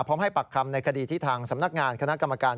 ให้ปักคำในคดีที่ทางสำนักงานคณะกรรมการ